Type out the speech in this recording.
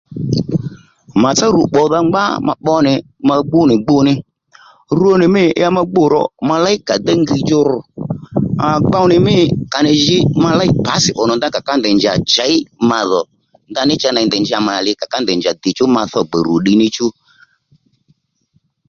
Màtsá rù pbòdha ngbá ma pbo nì ma gbú nì gbú ní rwo nì mî ya ma gbû ró ma léy à déy ngiy djú ru gbow nì mî kà nì jǐ ma léy pǎsì òmà ndaní a ká ndèy njà chěy ma dhò ndaní ney ndèy nja mà nì li à ká ndèy njà dìchú ma thô gbè rù ddiy níchú